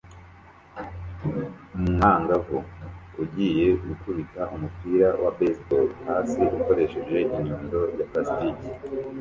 Umwangavu ugiye gukubita umupira wa baseball hasi ukoresheje inyundo ya plastiki